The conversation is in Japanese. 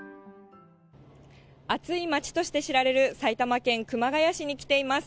暑い街として知られる埼玉県熊谷市に来ています。